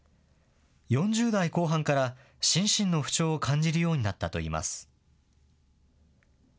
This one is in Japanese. ４０代後半から、心身の不調を感じるようになったといいます。